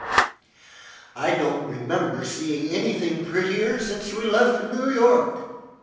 "I don't remember seeing anything prettier since we left New York."